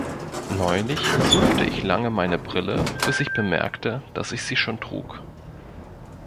Neulich suchte ich lange meine Brille, bis ich bemerkte, dass ich sie schon trug.